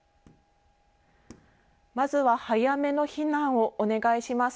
まずは早めの避難をお願いします。